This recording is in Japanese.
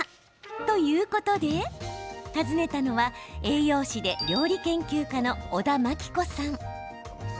ということで訪ねたのは、栄養士で料理研究家の小田真規子さん。